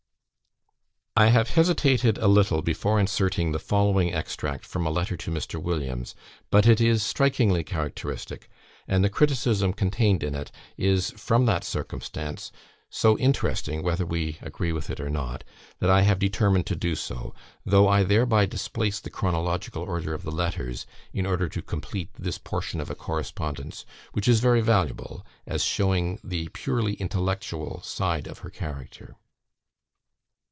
I have hesitated a little, before inserting the following extract from a letter to Mr. Williams, but it is strikingly characteristic; and the criticism contained in it is, from that circumstance, so interesting (whether we agree with it or not), that I have determined to do so, though I thereby displace the chronological order of the letters, in order to complete this portion of a correspondence which is very valuable, as showing the purely intellectual side of her character.